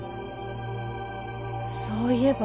そういえば。